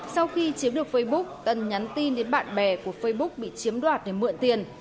sau khi chiếm được facebook tân nhắn tin đến bạn bè của facebook bị chiếm đoạt để mượn tiền